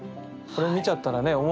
これ見ちゃったらね